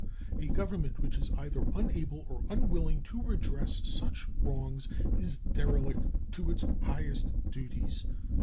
A government which is either unable or unwilling to redress such wrongs is derelict to its highest duties.